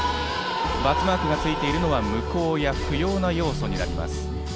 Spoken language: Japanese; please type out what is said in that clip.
バツマークがついているのは無効や不要な要素になります。